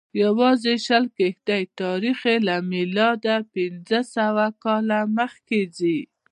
یوازې شل کښتۍ تاریخ یې له میلاده پنځه سوه کاله مخکې دی.